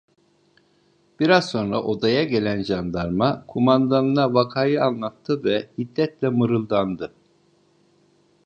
Biraz sonra odaya gelen jandarma kumandanına vakayı anlattı ve hiddetle mırıldandı: